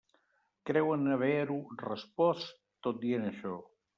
Creuen haver-ho respost tot dient això.